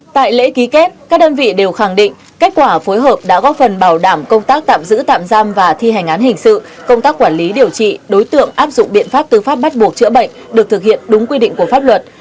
tại lễ ký kết các đơn vị đều khẳng định kết quả phối hợp đã góp phần bảo đảm công tác tạm giữ tạm giam và thi hành án hình sự công tác quản lý điều trị đối tượng áp dụng biện pháp tư pháp bắt buộc chữa bệnh được thực hiện đúng quy định của pháp luật